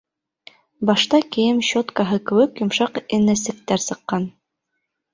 Башта кейем щёткаһы кеүек йомшаҡ энәсектәр сыҡҡан.